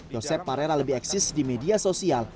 yosep parera lebih eksis di media sosial